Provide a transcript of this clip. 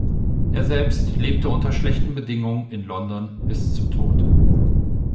Er selbst lebte unter schlechten Bedingungen in London bis zum Tod.